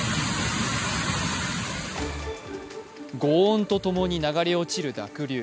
ごう音と共に流れ落ちる濁流。